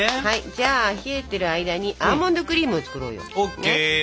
はいじゃあ冷えてる間にアーモンドクリームを作ろうよ。ＯＫ！